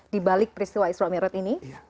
dibalik peristiwa israel merod ini